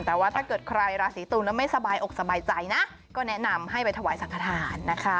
แต่ว่าถ้าเกิดใครราศีตุลไม่สบายอกสบายใจนะก็แนะนำให้ไปถวายสังขทานนะคะ